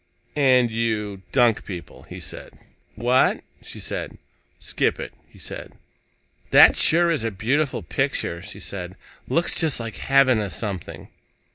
"And you dunk people," he said. "What?" she said. "Skip it," he said. "That sure is a beautiful picture," she said. "Looks just like heaven or something."